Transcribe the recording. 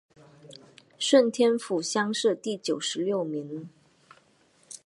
顺天府乡试第九十六名。